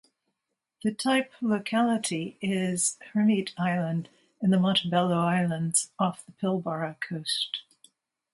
The type locality is Hermite Island in the Montebello Islands off the Pilbara coast.